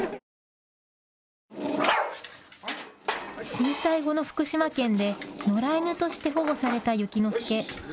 震災後の福島県で野良犬として保護された、ゆきのすけ。